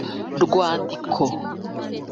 Rwandiko